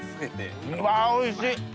うわおいしい！